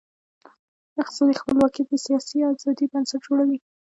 اقتصادي خپلواکي د سیاسي آزادۍ بنسټ جوړوي.